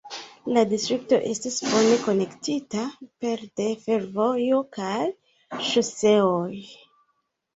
La distrikto estas bone konektita pere de fervojo kaj ŝoseoj.